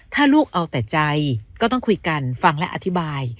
ถ้าลูกเอาแต่ใจก็ต้องคุยกันฟังและอธิบาย